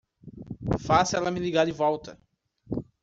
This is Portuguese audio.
Faça ela me ligar de volta!